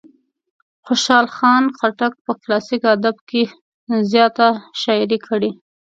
خوشال خان خټک په کلاسیک ادب کې زیاته شاعري کړې.